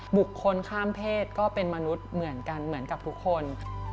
บุคคลข้ามเพศก็เป็นมนุษย์เหมือนกันเหมือนกับทุกคน